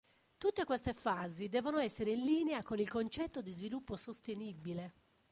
Tutte queste fasi devono essere in linea con il concetto di sviluppo sostenibile.